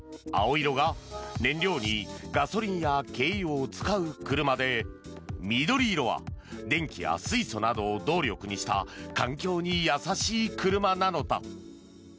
青色が燃料にガソリンや軽油を使う車で緑色は電気や水素などを動力にした環境に優しい車なのだ。